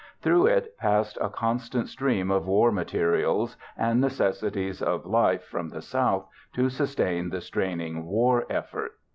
Through it passed a constant stream of war materials and necessities of life from the South to sustain the straining war effort.